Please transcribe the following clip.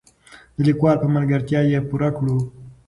د لیکوال په ملګرتیا یې پوره کړو.